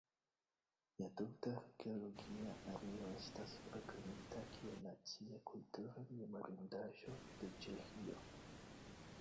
La tuta arkeologia areo estas proklamita kiel Nacia kultura memorindaĵo de Ĉeĥio.